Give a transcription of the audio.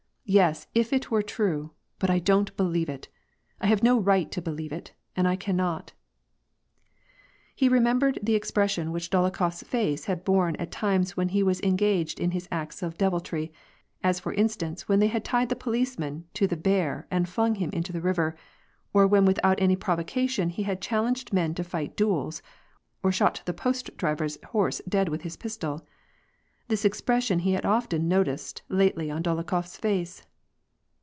Yes, if it were true ; but I don't believe it ! I have no right to believe it, and I cannot !" He remembered the expression which Dolokhof 's face had borne at times when he was engaged in his acts of deviltry, as for instance when they had tied tJie policeman to the f^ar and flung them into the river, or when without any provocation, he had challenged men to fight duels, or shot the post driver's * horse dead with his pistol. This expression he had often noticed lately on Dolokhof's face."